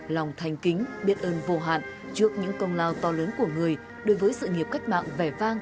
lòng thành kính biết ơn vô hạn trước những công lao to lớn của người đối với sự nghiệp cách mạng vẻ vang